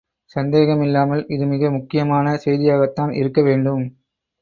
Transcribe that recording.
சந்தேகமில்லாமல் இது மிக மிக முக்கியமான செய்தியாகத்தான் இருக்க வேண்டும்.